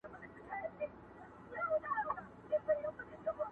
o دوه وړونه درېيم ئې حساب.